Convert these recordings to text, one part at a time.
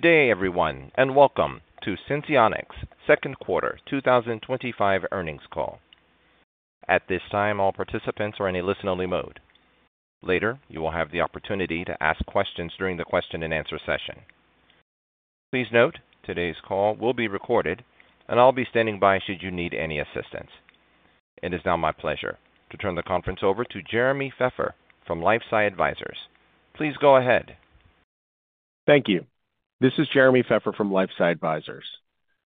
Good day, everyone, and welcome to Senseonics' second quarter 2025 earnings call. At this time, all participants are in a listen-only mode. Later, you will have the opportunity to ask questions during the question-and-answer session. Please note, today's call will be recorded, and I'll be standing by should you need any assistance. It is now my pleasure to turn the conference over to Jeremy Pfeffer from LifeSci Advisors. Please go ahead. Thank you. This is Jeremy Pfeffer from LifeSci Advisors.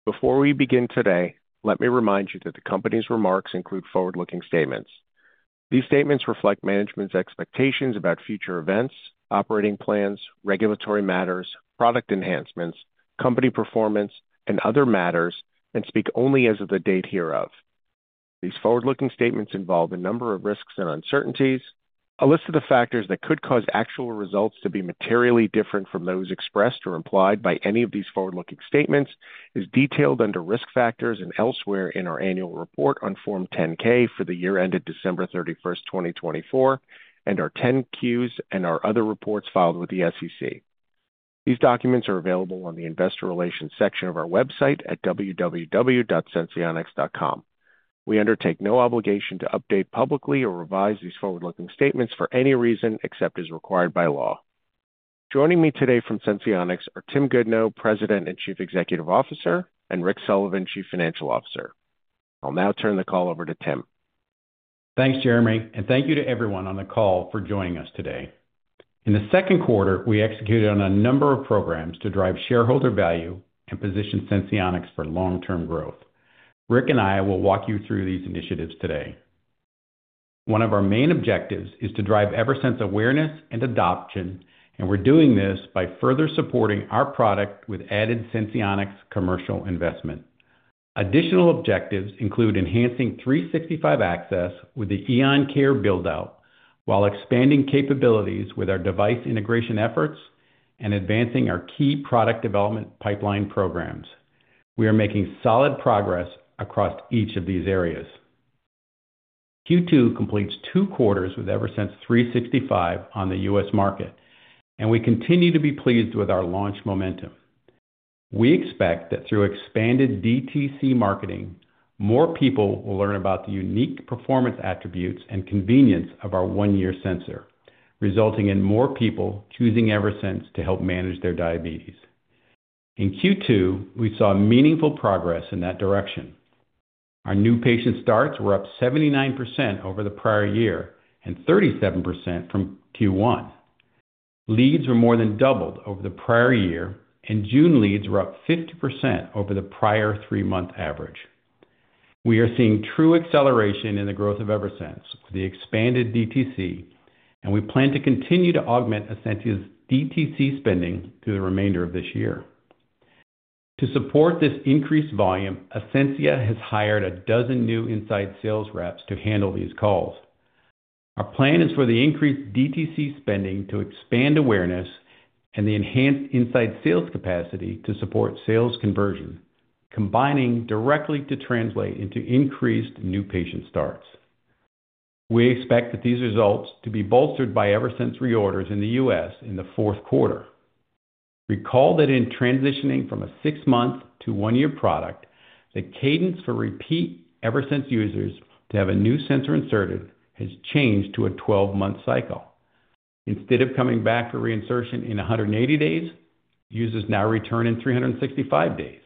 Before we begin today, let me remind you that the company's remarks include forward-looking statements. These statements reflect management's expectations about future events, operating plans, regulatory matters, product enhancements, company performance, and other matters, and speak only as of the date hereof. These forward-looking statements involve a number of risks and uncertainties. A list of the factors that could cause actual results to be materially different from those expressed or implied by any of these forward-looking statements is detailed under Risk Factors and elsewhere in our annual report on Form 10-K for the year ended December 31, 2024, and our 10-Qs and our other reports filed with the SEC. These documents are available on the Investor Relations section of our website at www.senseonics.com. We undertake no obligation to update publicly or revise these forward-looking statements for any reason except as required by law. Joining me today from Senseonics are Tim Goodnow, President and Chief Executive Officer, and Rick Sullivan, Chief Financial Officer. I'll now turn the call over to Tim. Thanks, Jeremy, and thank you to everyone on the call for joining us today. In the second quarter, we executed on a number of programs to drive shareholder value and position Senseonics for long-term growth. Rick and I will walk you through these initiatives today. One of our main objectives is to drive Eversense awareness and adoption, and we're doing this by further supporting our product with added Senseonics commercial investment. Additional objectives include enhancing 365 access with Eon Care buildout, while expanding capabilities with our device integration efforts and advancing our key product development pipeline programs. We are making solid progress across each of these areas. Q2 completes two quarters with Eversense 365 on the U.S. market, and we continue to be pleased with our launch momentum. We expect that through expanded DTC marketing, more people will learn about the unique performance attributes and convenience of our one-year sensor, resulting in more people choosing Eversense to help manage their diabetes. In Q2, we saw meaningful progress in that direction. Our new patient starts were up 79% over the prior year and 37% from Q1. Leads were more than doubled over the prior year, and June leads were up 50% over the prior three-month average. We are seeing true acceleration in the growth of Eversense with the expanded DTC, and we plan to continue to augment Essentia's DTC spending through the remainder of this year. To support this increased volume, Essentia has hired a dozen new inside sales reps to handle these calls. Our plan is for the increased DTC spending to expand awareness and the enhanced inside sales capacity to support sales conversion, combining directly to translate into increased new patient starts. We expect these results to be bolstered by Eversense reorders in the U.S. in the fourth quarter. Recall that in transitioning from a six-month to one-year product, the cadence for repeat Eversense users to have a new sensor inserted has changed to a 12-month cycle. Instead of coming back for reinsertion in 180 days, users now return in 365 days.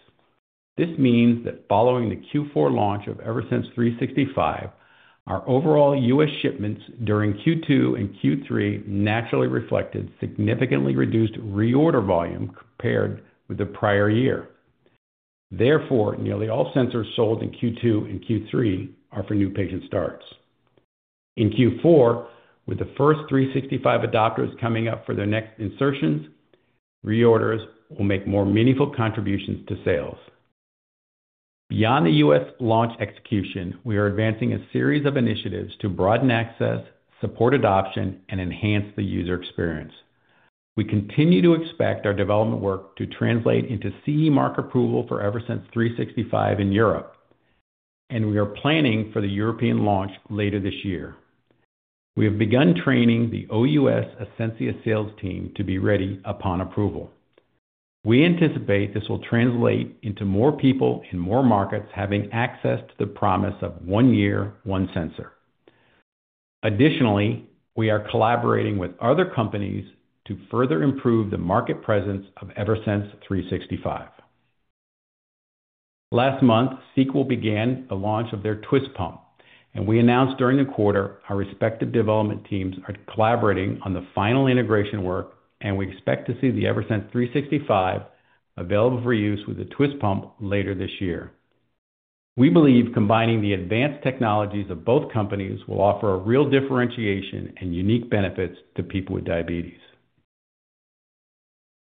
This means that following the Q4 launch of Eversense 365, our overall U.S. shipments during Q2 and Q3 naturally reflected significantly reduced reorder volume compared with the prior year. Therefore, nearly all sensors sold in Q2 and Q3 are for new patient starts. In Q4, with the first 365 adopters coming up for their next insertions, reorders will make more meaningful contributions to sales. Beyond the U.S. launch execution, we are advancing a series of initiatives to broaden access, support adoption, and enhance the user experience. We continue to expect our development work to translate into CE mark approval for Eversense 365 in Europe, and we are planning for the European launch later this year. We have begun training the OUS Essentia Diabetes Care sales team to be ready upon approval. We anticipate this will translate into more people in more markets having access to the promise of one year, one sensor. Additionally, we are collaborating with other companies to further improve the market presence of Eversense 365. Last month, Sequel began the launch of their twiist Automated Insulin Delivery System, and we announced during the quarter our respective development teams are collaborating on the final integration work, and we expect to see the Eversense 365 available for use with the twiist Automated Insulin Delivery System later this year. We believe combining the advanced technologies of both companies will offer a real differentiation and unique benefits to people with diabetes.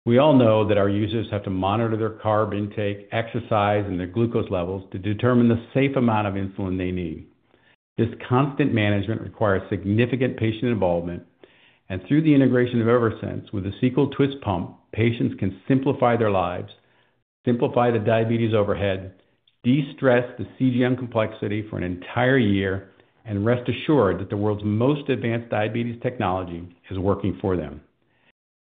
We all know that our users have to monitor their carb intake, exercise, and their glucose levels to determine the safe amount of insulin they need. This constant management requires significant patient involvement, and through the integration of Eversense with the Sequel twiist Automated Insulin Delivery System, patients can simplify their lives, simplify the diabetes overhead, de-stress the CGM complexity for an entire year, and rest assured that the world's most advanced diabetes technology is working for them.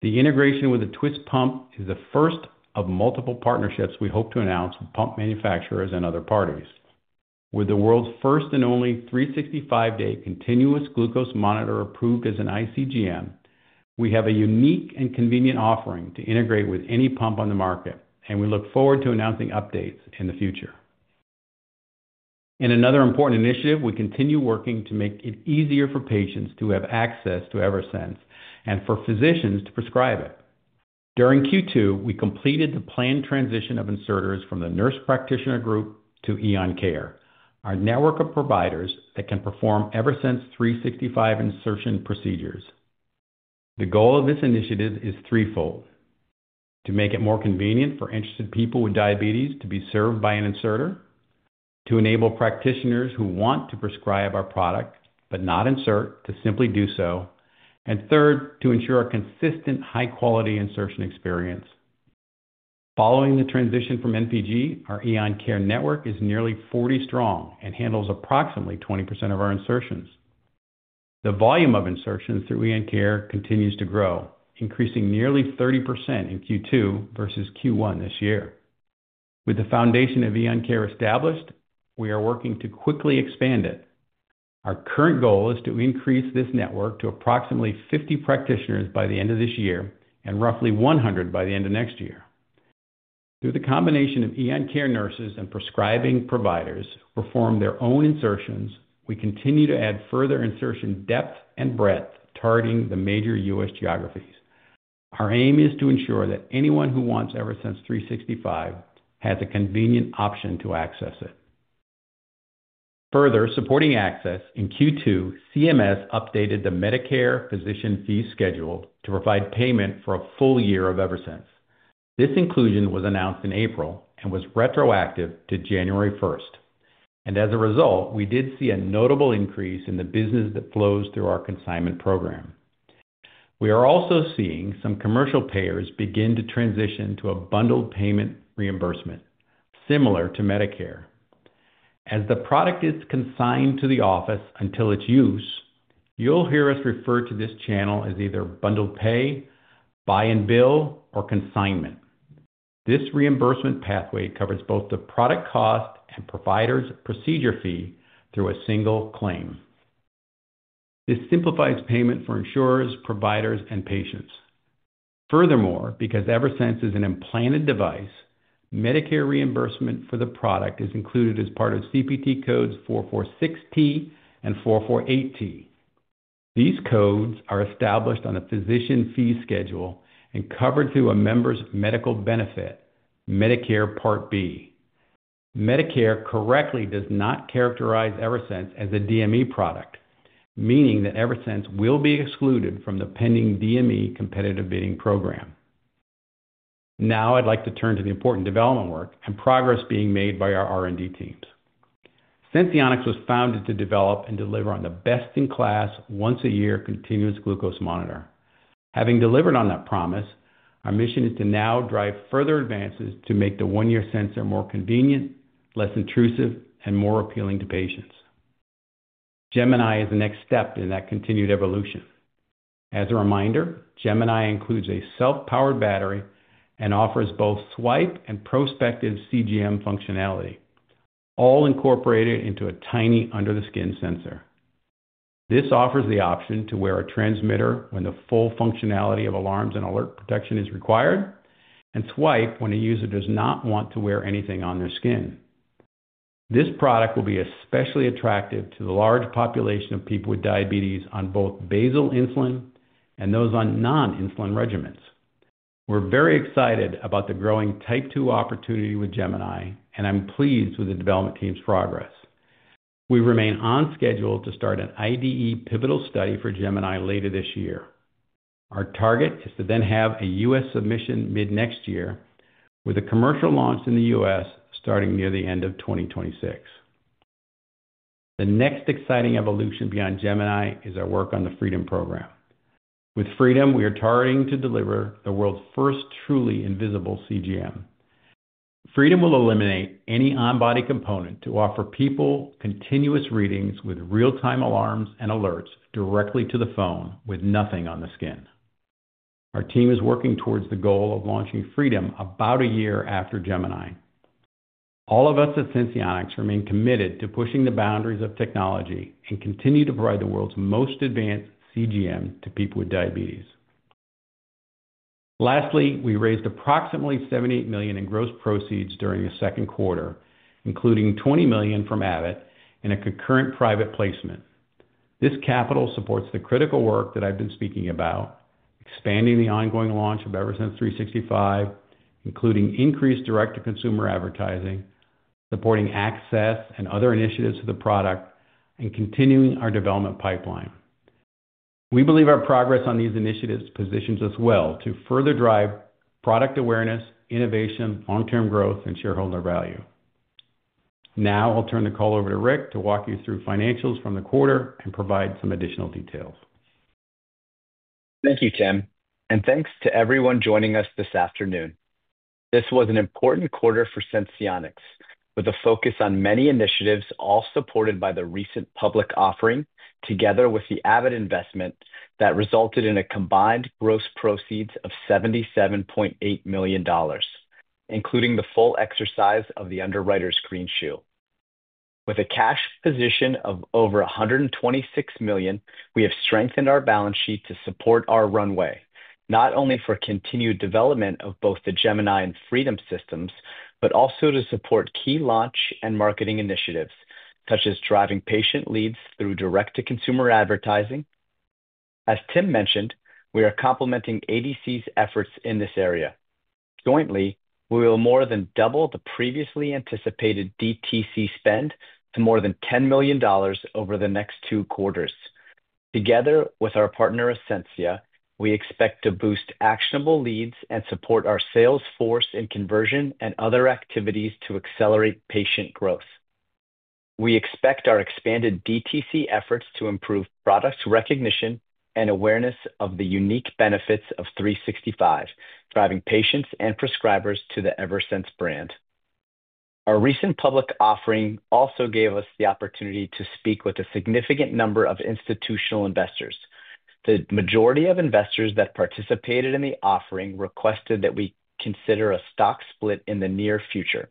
The integration with the twiist Automated Insulin Delivery System is the first of multiple partnerships we hope to announce with pump manufacturers and other parties. With the world's first and only 365-day continuous glucose monitor approved as an ICGM, we have a unique and convenient offering to integrate with any pump on the market, and we look forward to announcing updates in the future. In another important initiative, we continue working to make it easier for patients to have access to Eversense and for physicians to prescribe it. During Q2, we completed the planned transition of inserters from the nurse practitioner group Eon Care, our network of providers that can perform Eversense 365 insertion procedures. The goal of this initiative is threefold: to make it more convenient for interested people with diabetes to be served by an inserter, to enable practitioners who want to prescribe our product but not insert to simply do so, and third, to ensure a consistent, high-quality insertion experience. Following the transition from NPG, Eon Care network is nearly 40 strong and handles approximately 20% of our insertions. The volume of insertions Eon Care continues to grow, increasing nearly 30% in Q2 versus Q1 this year. With the foundation of Eon Care established, we are working to quickly expand it. Our current goal is to increase this network to approximately 50 practitioners by the end of this year and roughly 100 by the end of next year. Through the combination Eon Care nurses and prescribing providers who perform their own insertions, we continue to add further insertion depth and breadth, targeting the major U.S. geographies. Our aim is to ensure that anyone who wants Eversense 365 has a convenient option to access it. Further supporting access, in Q2, CMS updated the Medicare physician fee schedule to provide payment for a full year of Eversense. This inclusion was announced in April and was retroactive to January 1. As a result, we did see a notable increase in the business that flows through our consignment program. We are also seeing some commercial payers begin to transition to a bundled payment reimbursement, similar to Medicare. As the product is consigned to the office until its use, you'll hear us refer to this channel as either bundled pay, buy and bill, or consignment. This reimbursement pathway covers both the product cost and provider's procedure fee through a single claim. This simplifies payment for insurers, providers, and patients. Furthermore, because Eversense is an implanted device, Medicare reimbursement for the product is included as part of CPT codes 446T and 448T. These codes are established on a physician fee schedule and covered through a member's medical benefit, Medicare Part B. Medicare correctly does not characterize Eversense as a DME product, meaning that Eversense will be excluded from the pending DME competitive bidding program. Now I'd like to turn to the important development work and progress being made by our R&D teams. Senseonics was founded to develop and deliver on the best-in-class once-a-year continuous glucose monitor. Having delivered on that promise, our mission is to now drive further advances to make the one-year sensor more convenient, less intrusive, and more appealing to patients. Gemini is the next step in that continued evolution. As a reminder, Gemini includes a self-powered battery and offers both swipe and prospective CGM functionality, all incorporated into a tiny under-the-skin sensor. This offers the option to wear a transmitter when the full functionality of alarms and alert protection is required, and swipe when a user does not want to wear anything on their skin. This product will be especially attractive to the large population of people with diabetes on both basal insulin and those on non-insulin regimens. We're very excited about the growing type 2 opportunity with Gemini, and I'm pleased with the development team's progress. We remain on schedule to start an IDE pivotal study for Gemini later this year. Our target is to then have a U.S. submission mid-next year, with a commercial launch in the U.S. starting near the end of 2026. The next exciting evolution beyond Gemini is our work on the Freedom program. With Freedom, we are targeting to deliver the world's first truly invisible CGM. Freedom will eliminate any on-body component to offer people continuous readings with real-time alarms and alerts directly to the phone with nothing on the skin. Our team is working towards the goal of launching Freedom about a year after Gemini. All of us at Senseonics remain committed to pushing the boundaries of technology and continue to provide the world's most advanced CGM to people with diabetes. Lastly, we raised approximately $78 million in gross proceeds during the second quarter, including $20 million from Abbott in a concurrent private placement. This capital supports the critical work that I've been speaking about: expanding the ongoing launch of Eversense 365, including increased direct-to-consumer advertising, supporting access and other initiatives to the product, and continuing our development pipeline. We believe our progress on these initiatives positions us well to further drive product awareness, innovation, long-term growth, and shareholder value. Now I'll turn the call over to Rick to walk you through financials from the quarter and provide some additional details. Thank you, Tim, and thanks to everyone joining us this afternoon. This was an important quarter for Senseonics, with a focus on many initiatives all supported by the recent public offering, together with the Abbott investment that resulted in a combined gross proceeds of $77.8 million, including the full exercise of the underwriter's green shoe. With a cash position of over $126 million, we have strengthened our balance sheet to support our runway, not only for continued development of both the Gemini and Freedom systems, but also to support key launch and marketing initiatives, such as driving patient leads through direct-to-consumer advertising. As Tim mentioned, we are complementing ADC's efforts in this area. Jointly, we will more than double the previously anticipated DTC spend to more than $10 million over the next two quarters. Together with our partner Essentia, we expect to boost actionable leads and support our sales force in conversion and other activities to accelerate patient growth. We expect our expanded DTC efforts to improve product recognition and awareness of the unique benefits of 365, driving patients and prescribers to the Eversense brand. Our recent public offering also gave us the opportunity to speak with a significant number of institutional investors. The majority of investors that participated in the offering requested that we consider a stock split in the near future.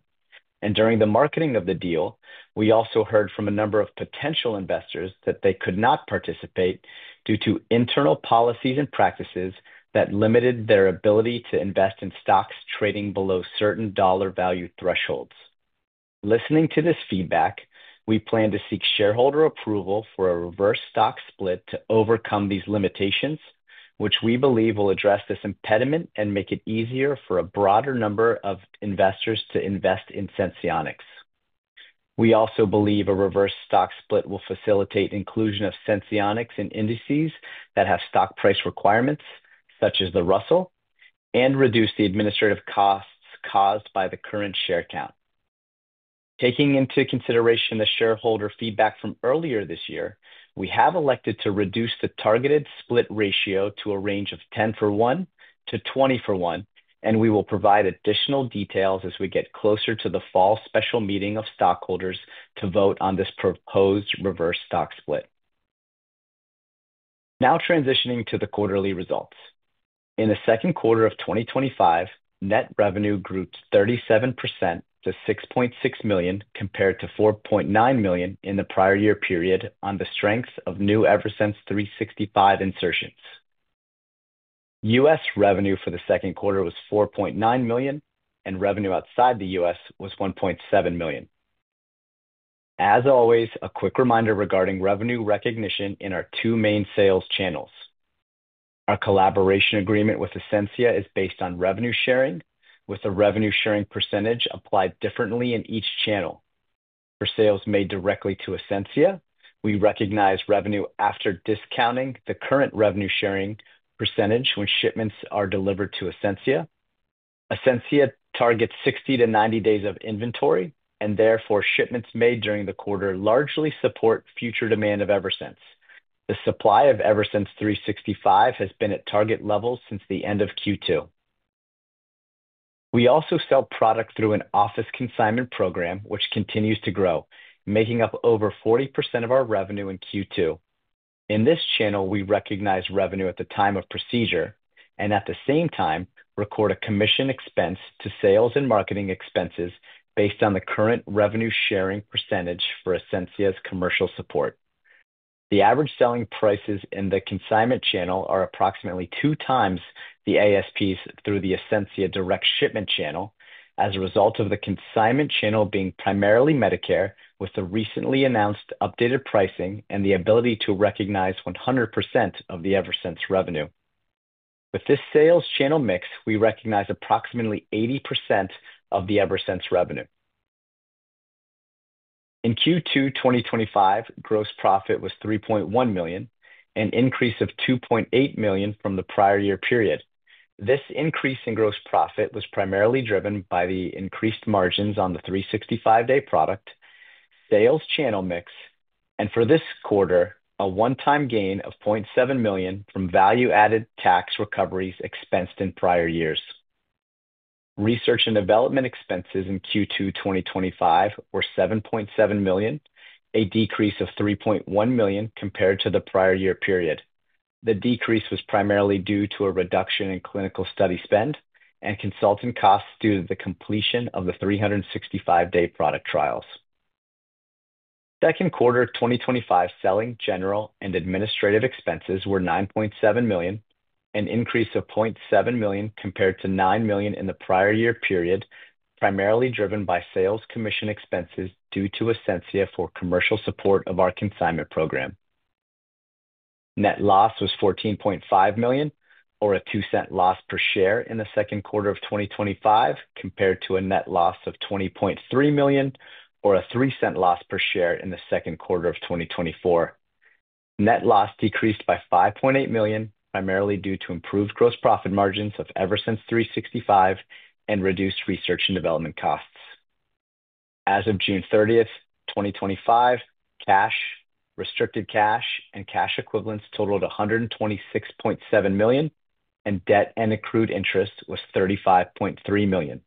During the marketing of the deal, we also heard from a number of potential investors that they could not participate due to internal policies and practices that limited their ability to invest in stocks trading below certain dollar value thresholds. Listening to this feedback, we plan to seek shareholder approval for a reverse stock split to overcome these limitations, which we believe will address this impediment and make it easier for a broader number of investors to invest in Senseonics. We also believe a reverse stock split will facilitate inclusion of Senseonics in indices that have stock price requirements, such as the Russell, and reduce the administrative costs caused by the current share count. Taking into consideration the shareholder feedback from earlier this year, we have elected to reduce the targeted split ratio to a range of 10 for 1-20 for 1, and we will provide additional details as we get closer to the fall special meeting of stockholders to vote on this proposed reverse stock split. Now transitioning to the quarterly results. In the second quarter of 2025, net revenue grew 37% to $6.6 million, compared to $4.9 million in the prior year period on the strengths of new Eversense 365 insertions. U.S. revenue for the second quarter was $4.9 million, and revenue outside the U.S. was $1.7 million. As always, a quick reminder regarding revenue recognition in our two main sales channels. Our collaboration agreement with Essentia Diabetes Care is based on revenue sharing, with a revenue sharing percentage applied differently in each channel. For sales made directly to Essentia Diabetes Care, we recognize revenue after discounting the current revenue sharing percentage when shipments are delivered to Essentia Diabetes Care. Essentia Diabetes Care targets 60-90 days of inventory, and therefore shipments made during the quarter largely support future demand of Eversense. The supply of Eversense 365 has been at target levels since the end of Q2. We also sell product through an office consignment program, which continues to grow, making up over 40% of our revenue in Q2. In this channel, we recognize revenue at the time of procedure and at the same time record a commission expense to sales and marketing expenses based on the current revenue sharing percentage for Essentia Diabetes Care's commercial support. The average selling prices in the consignment channel are approximately two times the ASPs through the Essentia Diabetes Care direct shipment channel as a result of the consignment channel being primarily Medicare, with the recently announced updated pricing and the ability to recognize 100% of the Eversense revenue. With this sales channel mix, we recognize approximately 80% of the Eversense revenue. In Q2 2025, gross profit was $3.1 million, an increase of $2.8 million from the prior year period. This increase in gross profit was primarily driven by the increased margins on the 365-day product, sales channel mix, and for this quarter, a one-time gain of $0.7 million from value-added tax recoveries expensed in prior years. Research and development expenses in Q2 2025 were $7.7 million, a decrease of $3.1 million compared to the prior year period. The decrease was primarily due to a reduction in clinical study spend and consultant costs due to the completion of the 365-day product trials. Second quarter 2025 selling, general and administrative expenses were $9.7 million, an increase of $0.7 million compared to $9 million in the prior year period, primarily driven by sales commission expenses due to Essentia Diabetes Care for commercial support of our consignment program. Net loss was $14.5 million, or a $0.02 loss per share in the second quarter of 2025, compared to a net loss of $20.3 million, or a $0.03 loss per share in the second quarter of 2024. Net loss decreased by $5.8 million, primarily due to improved gross profit margins of Eversense 365 and reduced research and development costs. As of June 30, 2025, cash, restricted cash, and cash equivalents totaled $126.7 million, and debt and accrued interest was $35.3 million.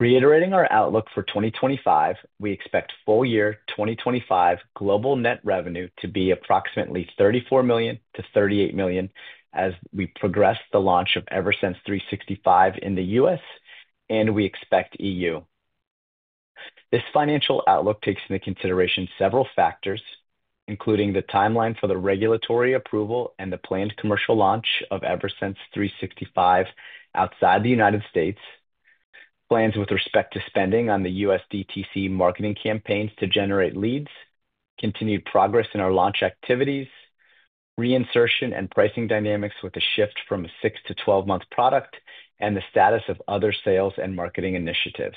Reiterating our outlook for 2025, we expect full-year 2025 global net revenue to be approximately $34 million-$38 million as we progress the launch of Eversense 365 in the U.S., and we expect EU. This financial outlook takes into consideration several factors, including the timeline for the regulatory approval and the planned commercial launch of Eversense 365 outside the United States, plans with respect to spending on the U.S. DTC marketing campaigns to generate leads, continued progress in our launch activities, reinsertion and pricing dynamics with a shift from a six to 12-month product, and the status of other sales and marketing initiatives.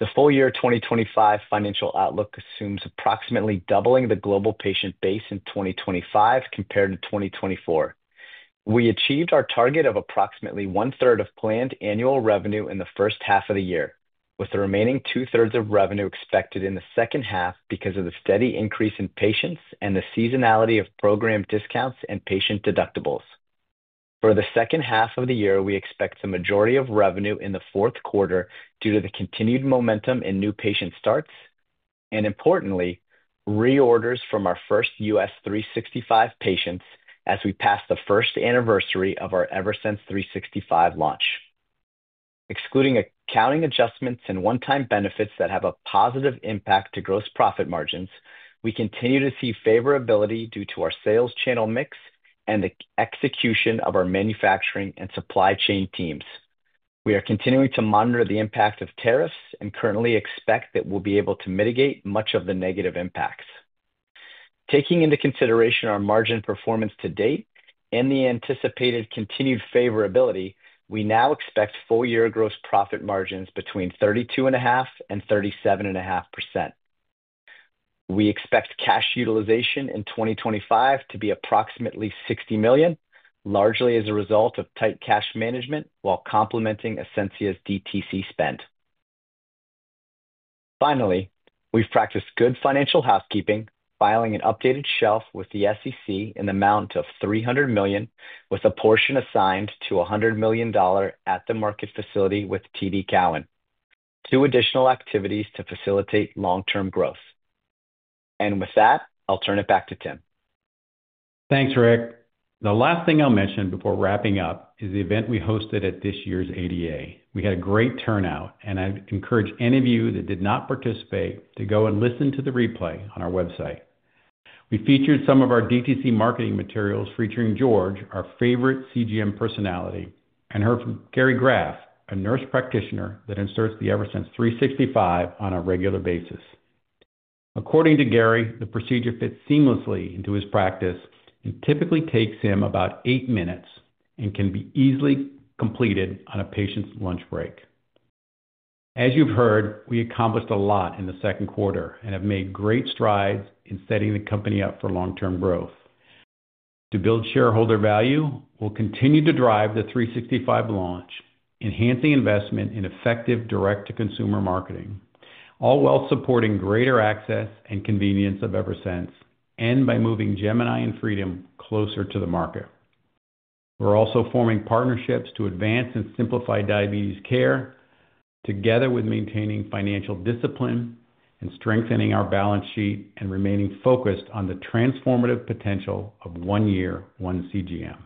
The full-year 2025 financial outlook assumes approximately doubling the global patient base in 2025 compared to 2024. We achieved our target of approximately one-third of planned annual revenue in the first half of the year, with the remaining two-thirds of revenue expected in the second half because of the steady increase in patients and the seasonality of program discounts and patient deductibles. For the second half of the year, we expect the majority of revenue in the fourth quarter due to the continued momentum in new patient starts and, importantly, reorders from our first U.S. 365 patients as we pass the first anniversary of our Eversense 365 launch. Excluding accounting adjustments and one-time benefits that have a positive impact to gross profit margins, we continue to see favorability due to our sales channel mix and the execution of our manufacturing and supply chain teams. We are continuing to monitor the impact of tariffs and currently expect that we'll be able to mitigate much of the negative impacts. Taking into consideration our margin performance to date and the anticipated continued favorability, we now expect full-year gross profit margins between 32.5% and 37.5%. We expect cash utilization in 2025 to be approximately $60 million, largely as a result of tight cash management while complementing Essentia's DTC spend. Finally, we've practiced good financial housekeeping, filing an updated shelf with the SEC in the amount of $300 million, with a portion assigned to a $100 million at-the-market facility with TD Cowen, two additional activities to facilitate long-term growth. With that, I'll turn it back to Tim. Thanks, Rick. The last thing I'll mention before wrapping up is the event we hosted at this year's ADA. We had a great turnout, and I'd encourage any of you that did not participate to go and listen to the replay on our website. We featured some of our DTC marketing materials featuring George, our favorite CGM personality, and heard from Gary Graff, a nurse practitioner that inserts the Eversense 365 on a regular basis. According to Gary, the procedure fits seamlessly into his practice and typically takes him about eight minutes and can be easily completed on a patient's lunch break. As you've heard, we accomplished a lot in the second quarter and have made great strides in setting the company up for long-term growth. To build shareholder value, we'll continue to drive the 365 launch, enhancing investment in effective direct-to-consumer marketing, all while supporting greater access and convenience of Eversense and by moving Gemini and Freedom closer to the market. We're also forming partnerships to advance and simplify diabetes care, together with maintaining financial discipline and strengthening our balance sheet and remaining focused on the transformative potential of one-year, one CGM.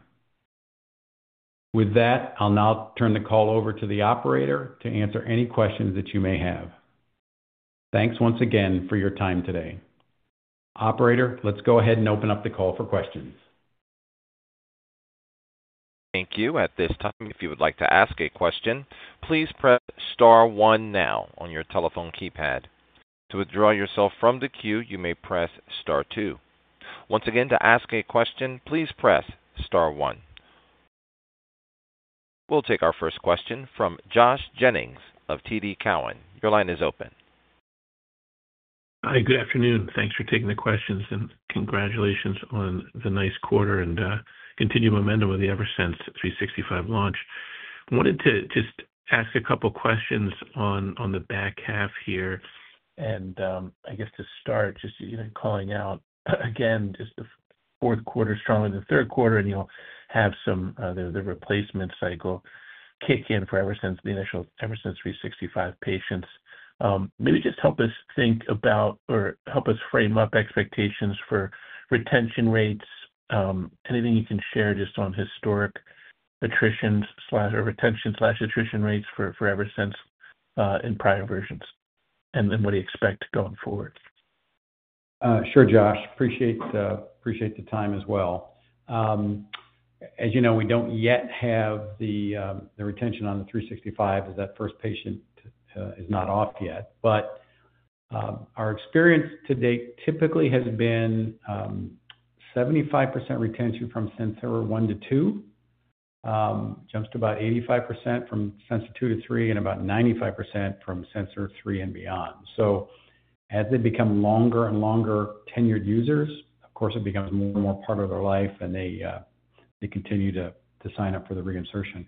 With that, I'll now turn the call over to the operator to answer any questions that you may have. Thanks once again for your time today. Operator, let's go ahead and open up the call for questions. Thank you. At this time, if you would like to ask a question, please press star one now on your telephone keypad. To withdraw yourself from the queue, you may press star two. Once again, to ask a question, please press star one. We'll take our first question from Joshua Jennings of TD Cowen. Your line is open. Hi, good afternoon. Thanks for taking the questions and congratulations on the nice quarter and continued momentum with the Eversense 365 launch. I wanted to just ask a couple of questions on the back half here. I guess to start, just calling out again, the fourth quarter is stronger than the third quarter, and you'll have the replacement cycle kick in for Eversense, the initial Eversense 365 patients. Maybe just help us think about or help us frame up expectations for retention rates. Anything you can share just on historic attrition/retention/attrition rates for Eversense in prior versions and then what do you expect going forward? Sure, Josh. Appreciate the time as well. As you know, we don't yet have the retention on the 365 as that first patient is not off yet. Our experience to date typically has been 75% retention from sensor one to two, jumps to about 85% from sensor two to three, and about 95% from sensor three and beyond. As they become longer and longer tenured users, of course, it becomes more and more part of their life and they continue to sign up for the reinsertion.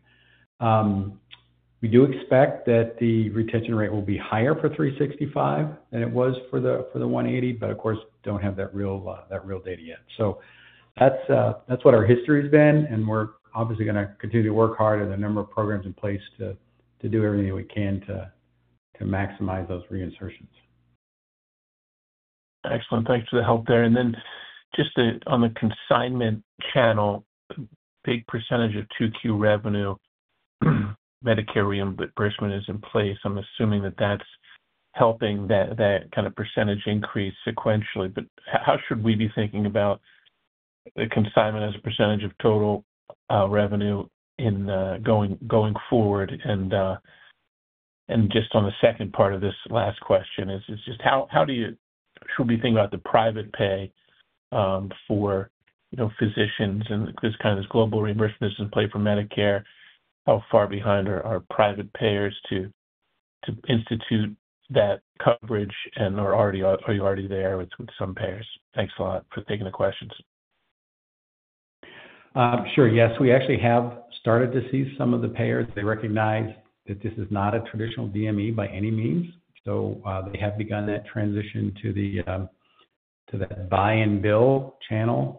We do expect that the retention rate will be higher for 365 than it was for the 180, but of course, don't have that real data yet. That's what our history has been, and we're obviously going to continue to work hard on the number of programs in place to do everything that we can to maximize those reinsertions. Excellent. Thanks for the help there. Just on the consignment channel, a big percentage of 2Q revenue, Medicare reimbursement is in place. I'm assuming that's helping that kind of percentage increase sequentially. How should we be thinking about the consignment as a percentage of total revenue going forward? On the second part of this last question, how should we be thinking about the private pay for physicians and this kind of global reimbursement that's in play for Medicare? How far behind are private payers to institute that coverage? Are you already there with some payers? Thanks a lot for taking the questions. Sure. Yes, we actually have started to see some of the payers. They recognize that this is not a traditional DME by any means. They have begun that transition to that buy and bill channel,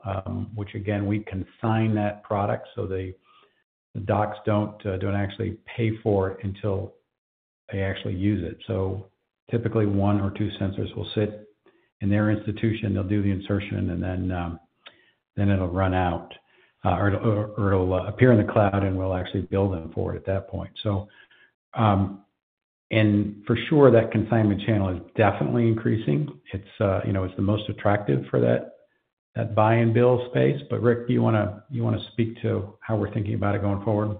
which again, we consign that product so the docs don't actually pay for it until they actually use it. Typically, one or two sensors will sit in their institution, they'll do the insertion, and then it'll run out or it'll appear in the cloud and we'll actually bill them for it at that point. For sure, that consignment channel is definitely increasing. It's the most attractive for that buy and bill space. Rick, do you want to speak to how we're thinking about it going forward?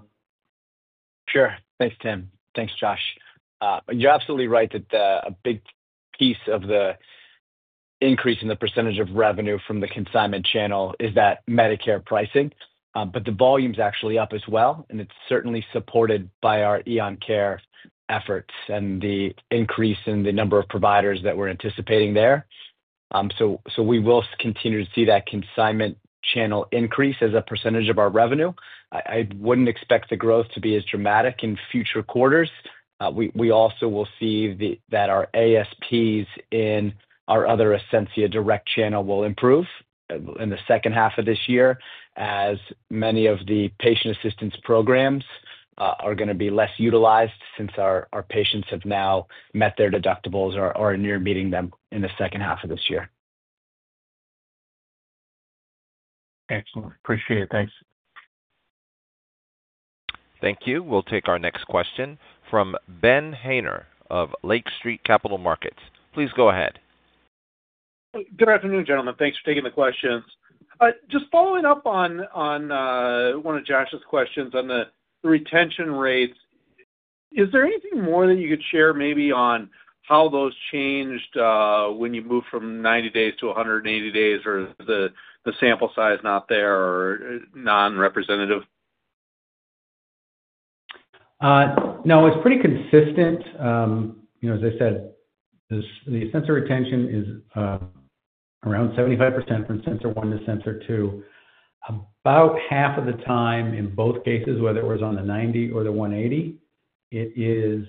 Sure. Thanks, Tim. Thanks, Josh. You're absolutely right that a big piece of the increase in the percentage of revenue from the consignment channel is that Medicare pricing. The volume's actually up as well, and it's certainly supported by Eon Care efforts and the increase in the number of providers that we're anticipating there. We will continue to see that consignment channel increase as a percentage of our revenue. I wouldn't expect the growth to be as dramatic in future quarters. We also will see that our ASPs in our other Essentia direct channel will improve in the second half of this year, as many of the patient assistance programs are going to be less utilized since our patients have now met their deductibles or are near meeting them in the second half of this year. Excellent. Appreciate it. Thanks. Thank you. We'll take our next question from Benjamin Haynor of Lake Street Capital Markets. Please go ahead. Good afternoon, gentlemen. Thanks for taking the questions. Just following up on one of Josh's questions on the retention rates, is there anything more that you could share maybe on how those changed when you moved from 90 days to 180 days, or is the sample size not there or non-representative? No, it's pretty consistent. You know, as I said, the sensor retention is around 75% from sensor one to sensor two. About half of the time in both cases, whether it was on the 90 or the 180, it is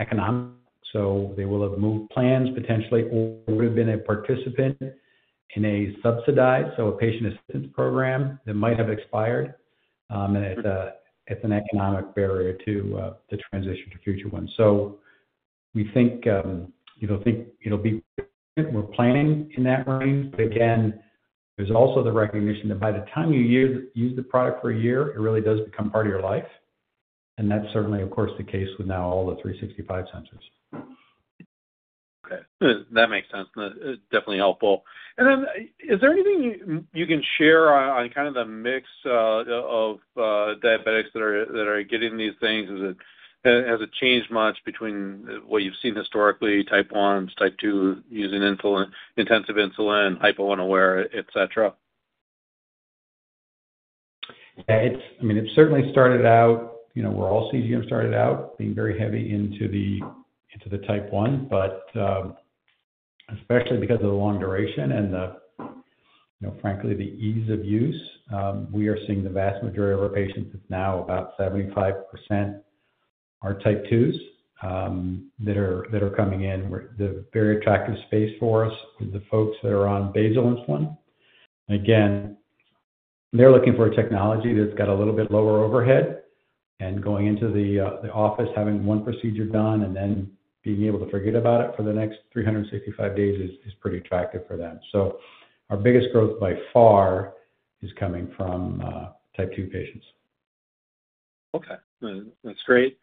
economic. They will have moved plans potentially or would have been a participant in a subsidized, so a patient assistance program that might have expired. It's an economic barrier to transition to future ones. We think it'll be, we're planning in that range. Again, there's also the recognition that by the time you use the product for a year, it really does become part of your life. That's certainly, of course, the case with now all the 365 sensors. Okay. That makes sense. Definitely helpful. Is there anything you can share on the mix of diabetics that are getting these things? Has it changed much between what you've seen historically, type 1s, type 2 using intensive insulin, hypo-unaware, et cetera? It certainly started out where all CGM started out being very heavy into the type 1, but especially because of the long duration and, frankly, the ease of use, we are seeing the vast majority of our patients that now about 75% are type 2s that are coming in. The very attractive space for us is with the folks that are on basal insulin. They are looking for a technology that's got a little bit lower overhead. Going into the office, having one procedure done, and then being able to forget about it for the next 365 days is pretty attractive for them. Our biggest growth by far is coming from type 2 patients. Okay. That's great.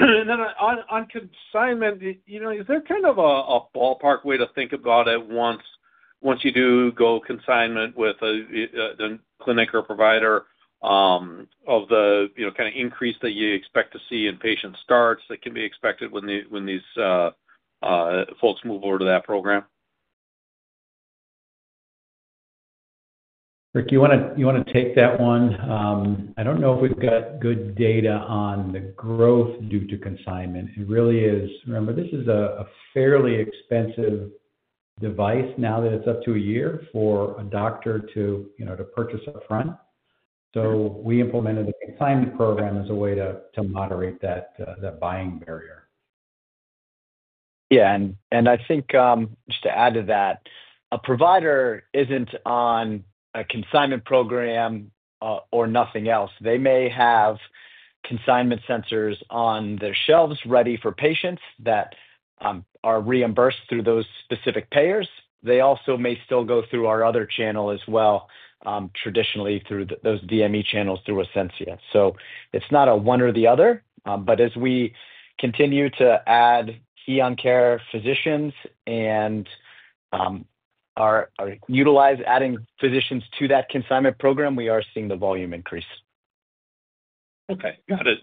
On consignment, is there kind of a ballpark way to think about it once you do go consignment with the clinic or provider, the kind of increase that you expect to see in patient starts that can be expected when these folks move over to that program? Rick, you want to take that one? I don't know if we've got good data on the growth due to consignment. It really is, remember, this is a fairly expensive device now that it's up to a year for a doctor to purchase upfront. We implemented the consignment program as a way to moderate that buying barrier. I think just to add to that, a provider isn't on a consignment program or nothing else. They may have consignment sensors on their shelves ready for patients that are reimbursed through those specific payers. They also may still go through our other channel as well, traditionally through those DME channels through Essentia. It is not a one or the other. As we continue to Eon Care physicians and utilize adding physicians to that consignment program, we are seeing the volume increase. Okay. Got it.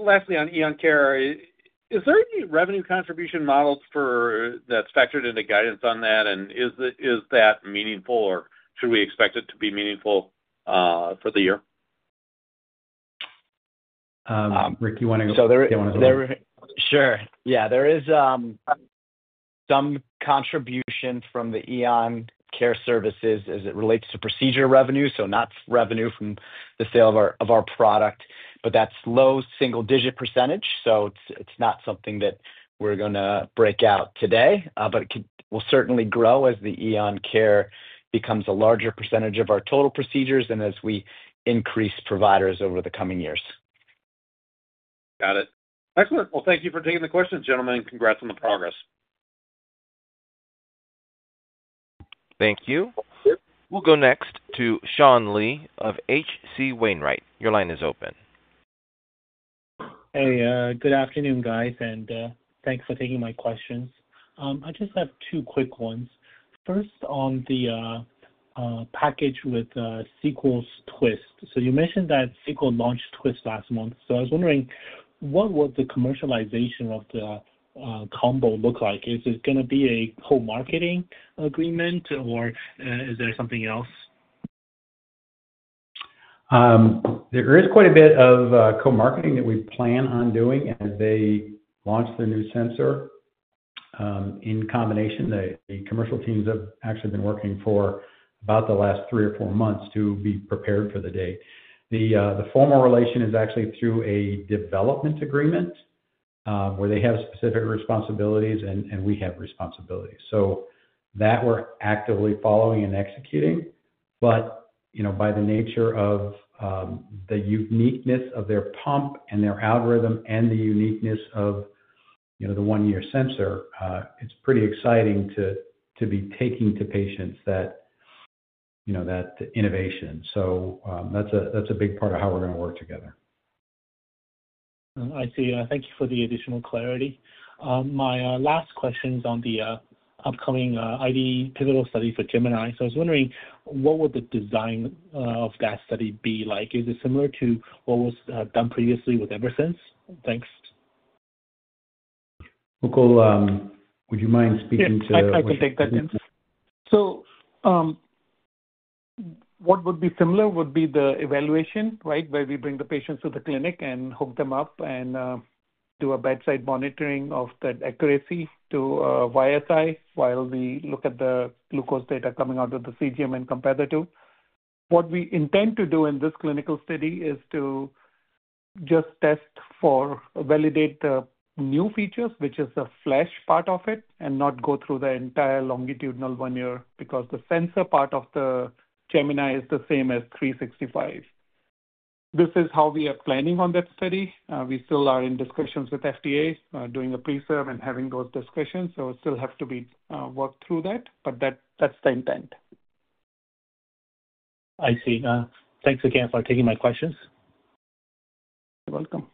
Lastly, on Eon Care, is there any revenue contribution model that's factored into guidance on that? Is that meaningful, or should we expect it to be meaningful for the year? There is some contribution from the Eon Care services as it relates to procedure revenue, not revenue from the sale of our product, but that's low single-digit percentage. It's not something that we're going to break out today, but it will certainly grow as the Eon Care becomes a larger percentage of our total procedures and as we increase providers over the coming years. Got it. Excellent. Thank you for taking the questions, gentlemen, and congrats on the progress. Thank you. We'll go next to Sean Lee of H.C. Wainwright. Your line is open. Hey, good afternoon, guys, and thanks for taking my questions. I just have two quick ones. First, on the package with Sequel's twiist. You mentioned that Sequel launched twiist last month. I was wondering, what would the commercialization of the combo look like? Is it going to be a co-marketing agreement, or is there something else? There is quite a bit of co-marketing that we plan on doing as they launch the new sensor in combination. The commercial teams have actually been working for about the last three or four months to be prepared for the day. The formal relation is actually through a development agreement, where they have specific responsibilities and we have responsibilities, so that we're actively following and executing. By the nature of the uniqueness of their pump and their algorithm and the uniqueness of the one-year sensor, it's pretty exciting to be taking to patients that innovation. That's a big part of how we're going to work together. I see. Thank you for the additional clarity. My last question is on the upcoming ID pivotal study for Gemini. I was wondering, what would the design of that study be like? Is it similar to what was done previously with Eversense? Thanks. [Nicole], would you mind speaking to? I can take that. What would be similar would be the evaluation, right, where we bring the patients to the clinic and hook them up and do a bedside monitoring of that accuracy to YSI while we look at the glucose data coming out of the CGM and compare the two. What we intend to do in this clinical study is to just test for validate the new features, which is the flesh part of it, and not go through the entire longitudinal one year because the sensor part of the Gemini is the same as 365. This is how we are planning on that study. We still are in discussions with FDA doing a pre-serve and having those discussions. It still has to be worked through that, but that's the intent. I see. Thanks again for taking my questions. You're welcome.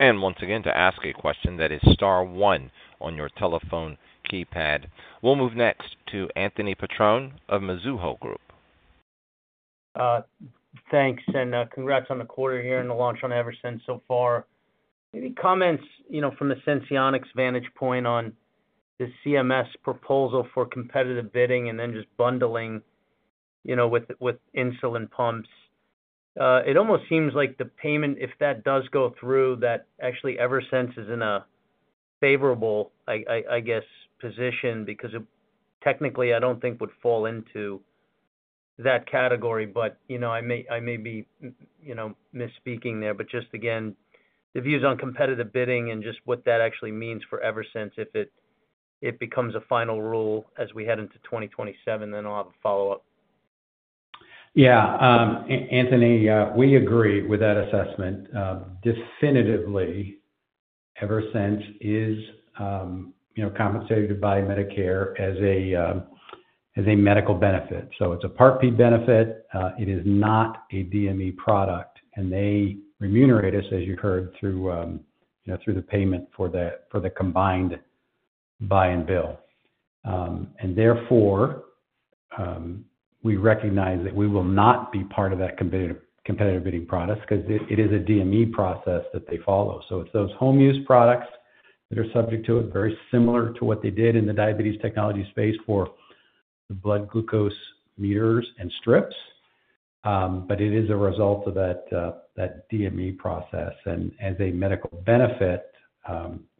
To ask a question, that is star one on your telephone keypad. We'll move next to Anthony Petrone of Mizuho. Thanks, and congrats on the quarter year and the launch on Eversense so far. Any comments from the Senseonics vantage point on the CMS proposal for competitive bidding, and then just bundling with insulin pumps? It almost seems like the payment, if that does go through, that actually Eversense is in a favorable, I guess, position because technically, I don't think would fall into that category. You know, I may be misspeaking there, but just again, the views on competitive bidding and just what that actually means for Eversense, if it becomes a final rule as we head into 2027, then I'll have a follow-up. Yeah. Anthony, we agree with that assessment. Definitively, Eversense is compensated by Medicare as a medical benefit. It's a Part B benefit. It is not a DME product, and they remunerate us, as you heard, through the payment for the combined buy and bill. Therefore, we recognize that we will not be part of that competitive bidding process because it is a DME process that they follow. It's those home-use products that are subject to it, very similar to what they did in the diabetes technology space for the blood glucose meters and strips. It is a result of that DME process. As a medical benefit,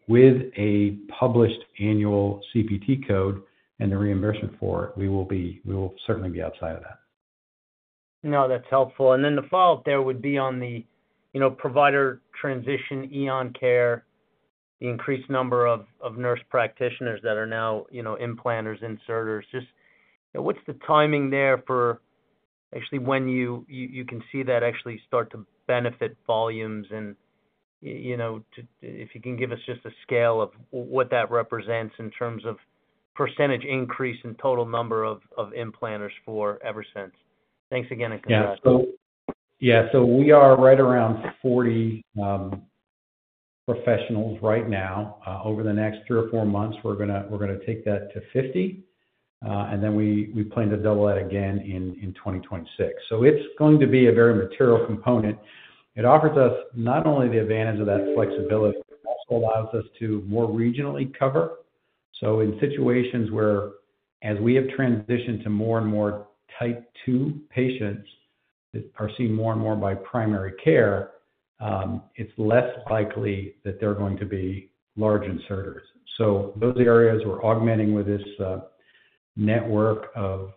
with a published annual CPT code and the reimbursement for it, we will certainly be outside of that. No, that's helpful. The follow-up there would be on the provider Eon Care, the increased number of nurse practitioners that are now implanters, inserters. What's the timing there for actually when you can see that actually start to benefit volumes? If you can give us just a scale of what that represents in terms of percentage increase in total number of implanters for Eversense. Thanks again, I think. Yeah, we are right around 40 professionals right now. Over the next three or four months, we're going to take that to 50, and we plan to double that again in 2026. It is going to be a very material component. It offers us not only the advantage of that flexibility, it allows us to more regionally cover. In situations where, as we have transitioned to more and more type 2 patients that are seen more and more by primary care, it's less likely that they're going to be large inserters. In those areas, we're augmenting with this network of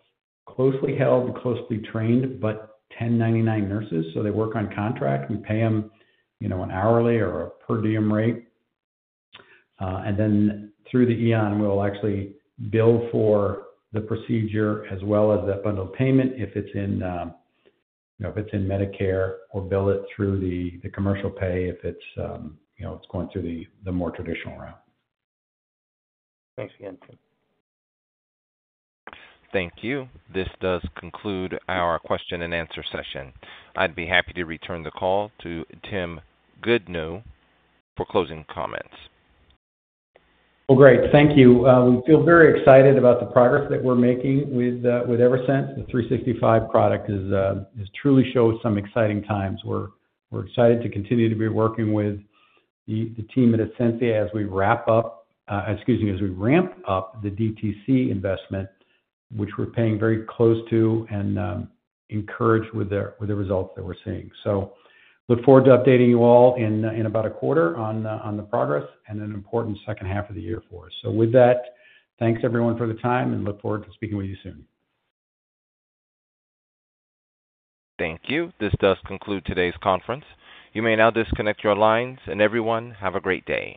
closely held, closely trained, but 1099 nurses. They work on contract. We pay them an hourly or a per diem rate. Through Eon Care, we'll actually bill for the procedure as well as that bundle payment if it's in Medicare or bill it through the commercial pay if it's going through the more traditional route. Thanks again, Tim. Thank you. This does conclude our question-and-answer session. I'd be happy to return the call to Tim Goodnow for closing comments. Thank you. We feel very excited about the progress that we're making with Eversense. The 365 product has truly shown some exciting times. We're excited to continue to be working with the team at Essentia as we ramp up the DTC investment, which we're paying very close to and encouraged with the results that we're seeing. We look forward to updating you all in about a quarter on the progress and an important second half of the year for us. With that, thanks everyone for the time, and look forward to speaking with you soon. Thank you. This does conclude today's conference. You may now disconnect your lines, and everyone have a great day.